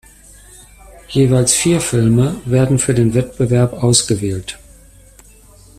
Jeweils vier Filme werden für den Wettbewerb ausgewählt.